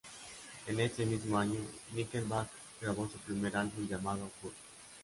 En ese mismo año, Nickelback grabó su primer álbum llamado "Curb".